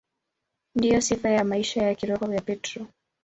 Ndiyo sifa ya maisha ya kiroho ya Petro.